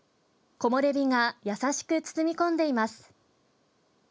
木漏れ日が優しく包み込んでいます。